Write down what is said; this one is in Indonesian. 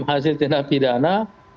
hasil tindak pidana